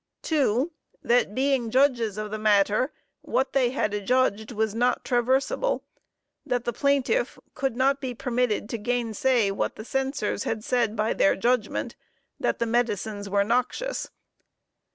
2. That being judges of the matter, what they had adjudged was not traversable. That the plaintiff could not be permitted to gainsay, what the Censors had said by their judgment that the medicines were noxious.